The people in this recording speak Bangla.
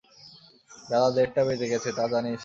বেলা দেড়টা বেজে গেছে তা জানিস?